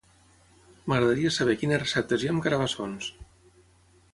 M'agradaria saber quines receptes hi ha amb carabassons.